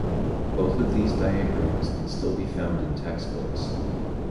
Both of these diagrams can still be found in textbooks.